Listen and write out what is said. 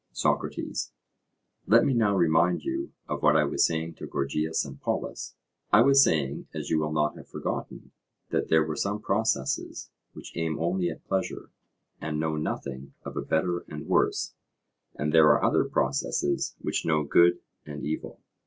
SOCRATES: Let me now remind you of what I was saying to Gorgias and Polus; I was saying, as you will not have forgotten, that there were some processes which aim only at pleasure, and know nothing of a better and worse, and there are other processes which know good and evil.